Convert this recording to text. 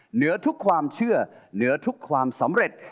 เหนือทุกความเชื่อเหนือทุกความสำเร็จ